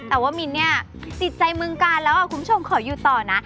แต่ว่ามิ้นเนี่ยติดใจเมืองกาลแล้วคุณผู้ชมขออยู่ต่อนะ